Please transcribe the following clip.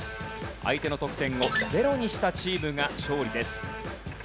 相手の得点をゼロにしたチームが勝利です。